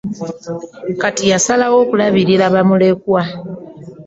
Kati yasalawo okulabirira bamulekwa.